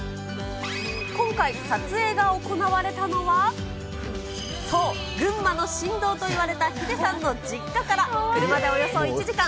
今回撮影が行われたのは、そう、群馬の神童といわれたヒデさんの実家から車でおよそ１時間。